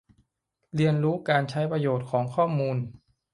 เรียนรู้การใช้ประโยชน์ของข้อมูล